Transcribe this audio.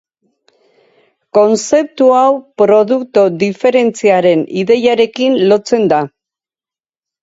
Kontzeptu hau, produktu diferentziaren ideiarekin lotzen da.